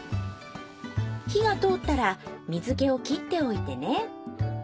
火が通ったら水気を切っておいてね。